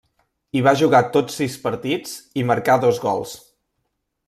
Hi va jugar tots sis partits, i marcà dos gols.